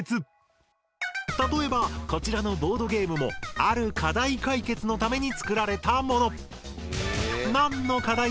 例えばこちらのボードゲームもある課題解決のために作られたもの。